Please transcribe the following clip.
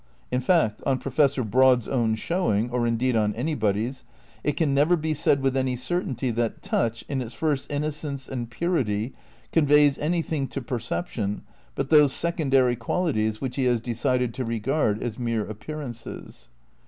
In fact on Pro fessor Broad's own showing— or indeed on anybody's— it can never be said with any certainty that touch, in its first innocence and purity, conveys anything to per ception but those secondary qualities which he has de cided to regard as mere appearances.